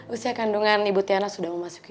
usia kandungan ibu tiana sudah memasuki